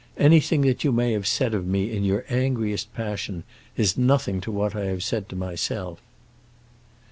"Anything that you may have said of me in your angriest passion is nothing to what I have said to myself."